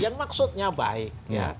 yang maksudnya baik